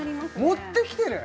持ってきてる？